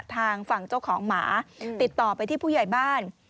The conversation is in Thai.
ทางฝั่งเจ้าของหมาติดต่อไปที่ผู้ใหญ่บ้าน